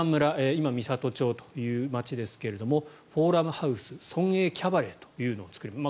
今、美郷町という町ですがフォーラムハウス村営キャバレーというのを作りました。